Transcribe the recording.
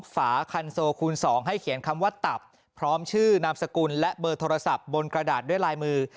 ฝาคันโซคูณ๒ให้เขียนคำว่าตับพร้อมชื่อนามสกุลและเบอร์โทรศัพท์บนกระดาษด้วยลายมือ